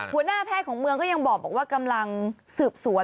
หัวหน้าแพทย์เขายังบอกว่ากำลังสืบสวน